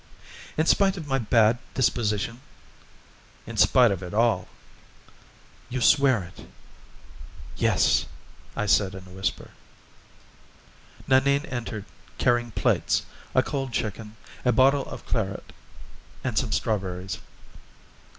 "In spite of my bad disposition?" "In spite of all." "You swear it?" "Yes," I said in a whisper. Nanine entered, carrying plates, a cold chicken, a bottle of claret, and some strawberries.